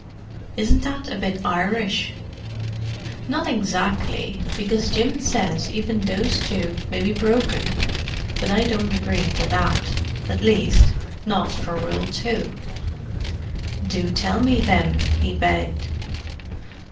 "Isn't that a bit Irish?" "Not exactly, because Jim says even those two may be broken. But I don't agree to that—at least, not for Rule 2." "Do tell me them," he begged.